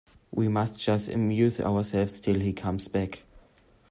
We must just amuse ourselves till he comes back.